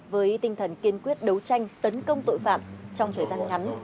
với tinh thần kiên quyết đấu tranh tấn công tội phạm trong thời gian ngắn